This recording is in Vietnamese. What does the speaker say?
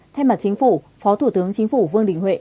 thay mặt chính phủ phó thủ tướng chính phủ vương đình huệ